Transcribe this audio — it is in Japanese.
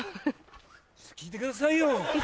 聞いてくださいよ！